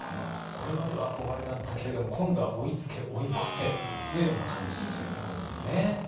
これまでは憧れだったけれども今度は追いつけ追い越せのような感じというところですかね。